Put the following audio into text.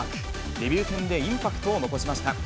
デビュー戦でインパクトを残しました。